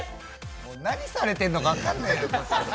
何されてるのか分かんないよ、こっちも。